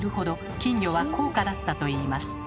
金魚は高価だったといいます。